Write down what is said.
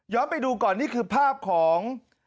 ไปดูก่อนนี่คือภาพของ